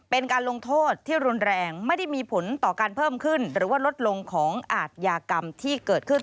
เป็นการลงโทษที่รุนแรงไม่ได้มีผลต่อการเพิ่มขึ้นหรือว่าลดลงของอาทยากรรมที่เกิดขึ้น